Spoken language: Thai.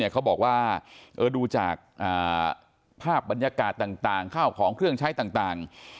เขาบอกว่าดูจากภาพบรรยากาศต่างข้าวของเครื่องใช้ต่าง